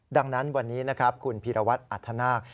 ดังนั้นวันนี้นะครับคุณพีรวัตรอัธนาค